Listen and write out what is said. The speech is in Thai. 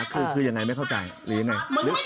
คือยังไงไม่เข้าใจ